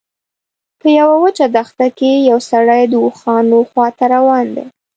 په یوه وچه دښته کې یو سړی د اوښانو خواته روان دی.